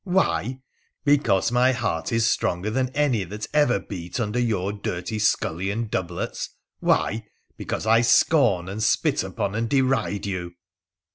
Why ? Because my heart is stronger than any that ever beat under your dirty scullion doublets. Why ? Because I scorn, and spit upon, and deride you